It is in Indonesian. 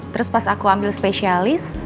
terus pas aku ambil spesialis